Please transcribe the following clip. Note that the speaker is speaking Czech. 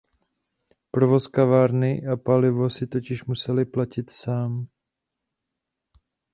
Provoz kovárny a palivo si totiž museli platit sám.